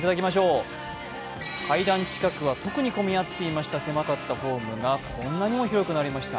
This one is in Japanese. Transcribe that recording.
階段近くは特に混み合っていました、特に狭かったホームがこんなにも広くなりました。